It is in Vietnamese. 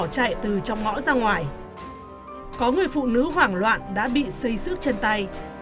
có người phụ nữ hoảng loạn đã bị xây xước trên tay